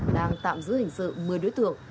đang tạm giữ hình sự một mươi đối tượng